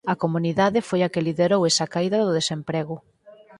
A comunidade foi a que liderou esa caída do desemprego.